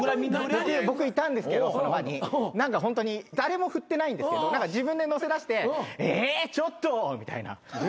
僕いたんですけどその場に何かホントに誰も振ってないんですけど自分でのせだして「えちょっと」みたいな。